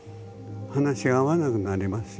話が合わなくなりますよ。